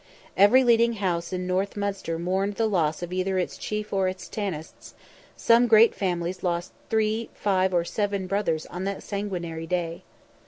Every leading house in North Munster mourned the loss of either its chief or its tanist; some great families lost three, five, or seven brothers on that sanguinary day.